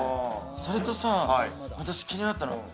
それとさ、私、気になったの。